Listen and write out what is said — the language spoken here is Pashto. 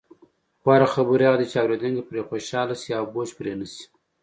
غوره خبرې هغه دي، چې اوریدونکي پرې خوشحاله شي او بوج پرې نه شي.